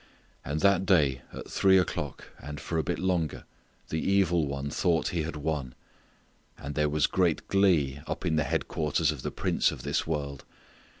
And that day at three o'clock and for a bit longer the evil one thought he had won. And there was great glee up in the headquarters of the prince of this world.